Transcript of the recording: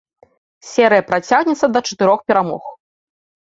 Серыя працягнецца да чатырох перамог.